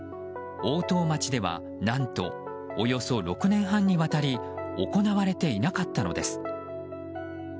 大任町では何とおよそ６年半にわたり行われていなかったのです。